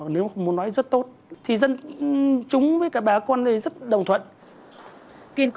nếu không muốn nói rất tốt thì chúng với cả bà con rất đồng thuận